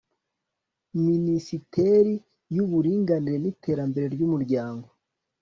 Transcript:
minisiteri y'uburinganire n'iterambere ry'umuryango